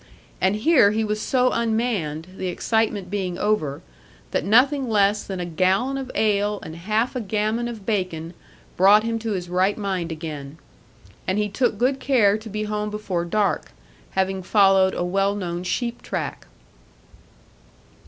And here he was so unmanned, the excitement being over, that nothing less than a gallon of ale and half a gammon of bacon, brought him to his right mind again. And he took good care to be home before dark, having followed a well known sheep track.